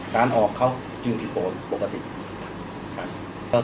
การออกเข้าจึงที่โปรดปกติ